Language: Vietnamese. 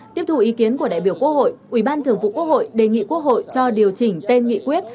tiếp thu ý kiến của đại biểu quốc hội ủy ban thường vụ quốc hội đề nghị quốc hội cho điều chỉnh tên nghị quyết